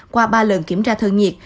qua ba lần kiểm tra thân nhiệt